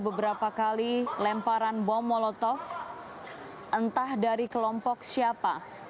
bentuk formasi teman teman